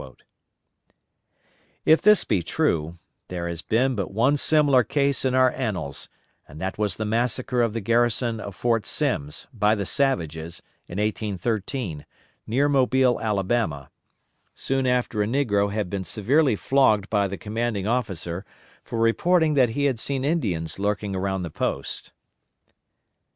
If this be true, there has been but one similar case in our annals, and that was the massacre of the garrison of Fort Sims, by the savages, in 1813, near Mobile, Alabama; soon after a negro had been severely flogged by the commanding officer for reporting that he had seen Indians lurking around the post.